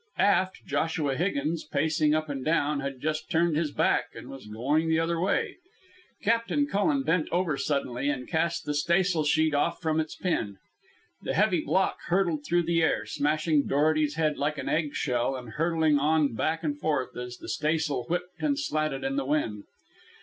Aft, Joshua Higgins, pacing up and down, had just turned his back and was going the other way. Captain Cullen bent over suddenly and cast the staysail sheet off from its pin. The heavy block hurtled through the air, smashing Dorety's head like an egg shell and hurtling on and back and forth as the staysail whipped and slatted in the wind.